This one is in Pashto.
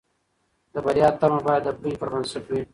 د بریا تمه باید د پوهې پر بنسټ وي.